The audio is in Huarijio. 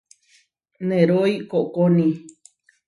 Nerói koʼkóni.